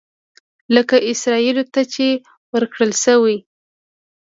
لکه اسرائیلو ته چې ورکړل شوي.